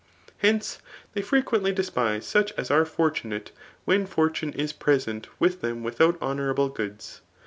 Henee^ they frequently despise such as are fortunate when fbri^ tune is present with them without honourable goods.